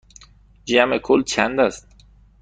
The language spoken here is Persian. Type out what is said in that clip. جمع کل چند است؟